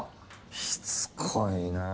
しつこいなあ。